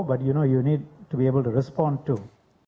tapi anda tahu anda perlu bisa menjawab